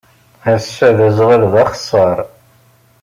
Ass-a, aẓɣal d axeṣṣar.